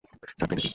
Sir, তাই নাকি!